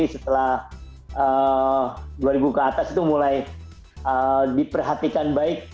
setelah dua ribu ke atas itu mulai diperhatikan baik